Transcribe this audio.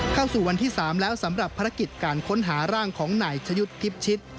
เข้าสู่วันที่๓แล้วสำหรับภารกิจการค้นหาร่างของนายชะยุทธ์พิชิต